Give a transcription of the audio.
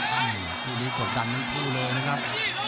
แยกที่นี่ก่อดัน๑คู่เลยนะครับ